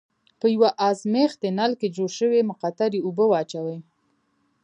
په یوه ازمیښتي نل کې جوش شوې مقطرې اوبه واچوئ.